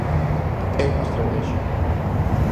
É unha estratexia.